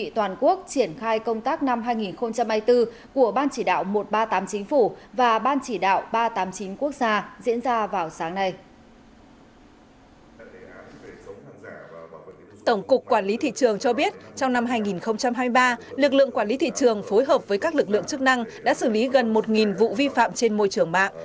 tổng cục quản lý thị trường cho biết trong năm hai nghìn hai mươi ba lực lượng quản lý thị trường phối hợp với các lực lượng chức năng đã xử lý gần một vụ vi phạm trên môi trường mạng